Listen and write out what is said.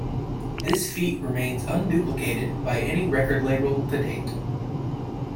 This feat remains unduplicated by any record label to date.